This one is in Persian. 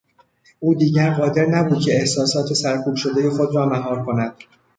او دیگر قادر نبود که احساسات سرکوب شدهی خود را مهار کند.